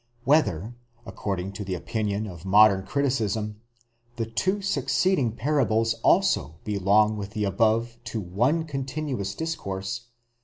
Whether, according to the opinion of modern criticism, the two succeeding parables also belong with the above to one continuous discourse